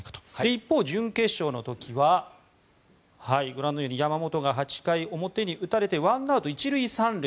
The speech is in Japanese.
一方、準決勝の時はご覧のように山本が８回の表に打たれてワンアウト１塁３塁。